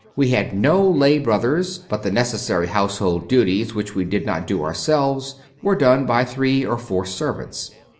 We had no lay brothers, but the neces sary household duties which we did not do ourselves were done by three or four servants.